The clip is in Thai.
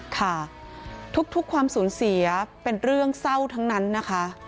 ค่ะทุกความสูญเสียเป็นเรื่องเศร้าทั้งนั้นนะคะ